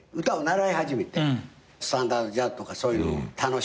スタンダードジャズとかそういうのを楽しいものだと。